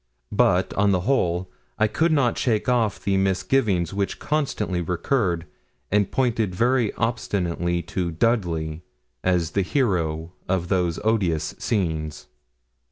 But, on the whole, I could not shake off the misgivings which constantly recurred and pointed very obstinately to Dudley as the hero of those odious scenes.